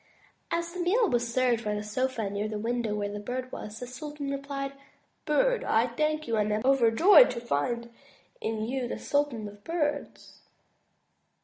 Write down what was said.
'' As the meal was served by the sofa near the window where the Bird was, the sultan replied: ''Bird, I thank you and am over joyed to find in you the Sultan of Birds."